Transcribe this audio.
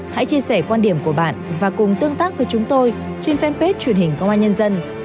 hãy chia sẻ quan điểm của bạn và cùng tương tác với chúng tôi trên fanpage truyền hình công an nhân dân